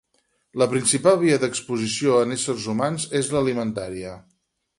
La principal via d'exposició en éssers humans és l'alimentària.